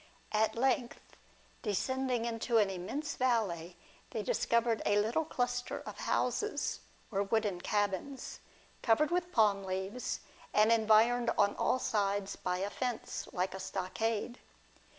At length, descending into an immense valley, they discovered a little cluster of houses, or wooden cabins, covered with palm leaves, and environed on all sides by 52 THE WAGER OF PROMETHEUS. a fence like a stockade.